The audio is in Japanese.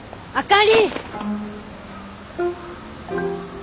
あかり！